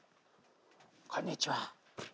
こんにちは。